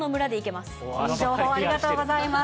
いい情報、ありがとうございます。